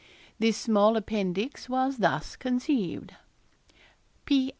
This small appendix was thus conceived: 'P.